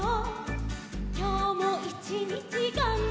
「きょうもいちにちがんばった」